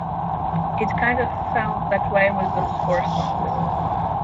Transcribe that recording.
It kind of felt that way with these four songs.